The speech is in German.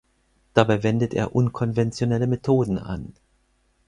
Dabei wendet er unkonventionelle Methoden an.